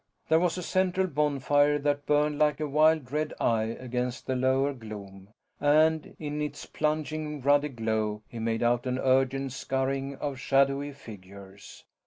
There was a central bonfire that burned like a wild red eye against the lower gloom, and in its plunging ruddy glow he made out an urgent scurrying of shadowy figures.